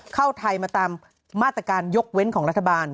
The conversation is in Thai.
เข้าไทยมาตามมาตรการยกเว้นของรัฐบาล